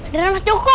beneran mas joko